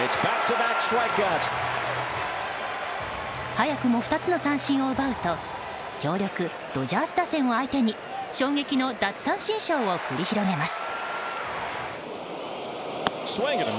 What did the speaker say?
早くも２つの三振を奪うと強力ドジャース打線を相手に衝撃の奪三振ショーを繰り広げます。